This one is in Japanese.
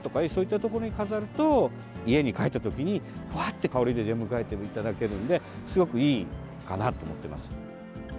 そういうところに飾ると家に帰ったときに、ふわっと香りで出迎えていただけるのですごくいいかなと思います。